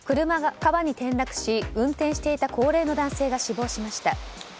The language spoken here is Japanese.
車が川に転落し運転していた高齢の男性が死亡しました。